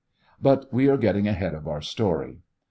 But we are getting ahead of our story.